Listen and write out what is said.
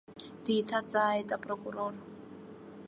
Деиҭаҵааит апрокурор.